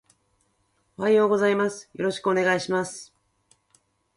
おはようございます。よろしくお願いします